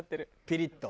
ピリッと？